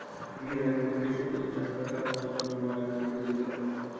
বিয়ের আয়োজন করে যেসব প্রতিষ্ঠান, তারা সাধারণত অন্যান্য আয়োজনও করে দিতে পারে।